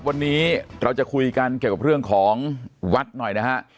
วันนี้เราจะคุยกันเกี่ยวกับเรื่องของวัดหน่อยนะฮะ